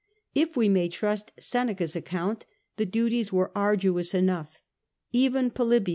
If we may trust Seneca's account the duties were arduous enough, since Polybius, CH.